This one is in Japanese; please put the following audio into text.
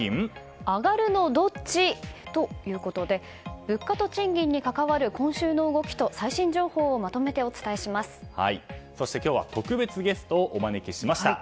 アガるのどっち？ということで物価と賃金に関わる今週の動きと最新情報をそして、今日は特別ゲストをお招きしました。